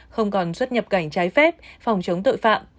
không còn xuất nhập cảnh trái phép phòng chống tội phạm